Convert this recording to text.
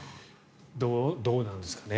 どうなんですかね。